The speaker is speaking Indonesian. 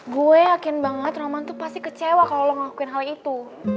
gue yakin banget roman tuh pasti kecewa kalau lo ngelakuin hal itu